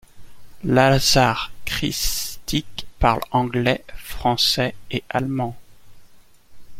Lazar Krstić parle anglais, français et allemand.